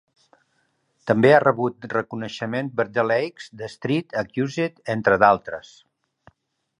També ha rebut reconeixement per "The Lakes," "The Street" i "Accused", entre altres.